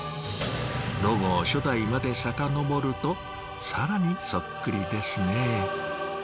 ロゴを初代まで遡ると更にそっくりですね。